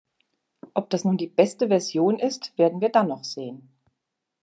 Ob das nun die beste Version ist, werden wir dann noch sehen.